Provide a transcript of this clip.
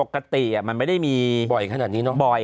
จำง่ายคือ